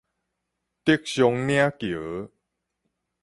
竹嵩嶺橋